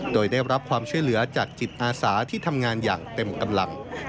โดยได้รับความช่วยเหลือจากจิตอาสาที่ทำงานอย่างเต็มกำลัง